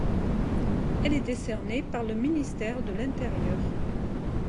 Elle est décernée par le ministère de l’Intérieur.